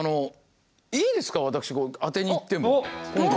いいですか私当てに行っても今回。